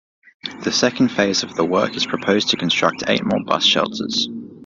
The second phase of the work is proposed to construct eight more bus shelters.